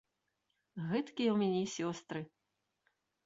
Гэткія ў мяне сёстры!